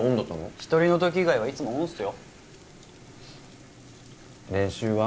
一人の時以外はいつもオンっすよ練習は？